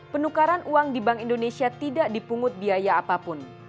penukaran uang di bank indonesia tidak dipungut biaya apapun